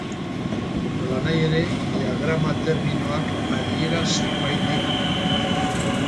Nolanahi ere, diagrama terminoak adiera zenbait ditu.